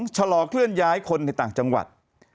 ชะลอเคลื่อนย้ายคนในต่างจังหวัด